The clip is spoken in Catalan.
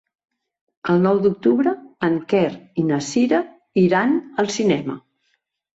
El nou d'octubre en Quer i na Cira iran al cinema.